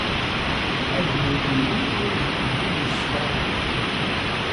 Agmuḍ-nni ur yelli d win yessefraḥen.